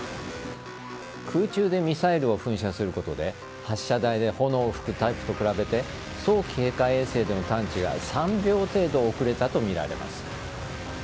空中でミサイルを噴射することで発射台で炎を噴くタイプと比べて早期警戒衛星での探知が３秒程度遅れたとみられます。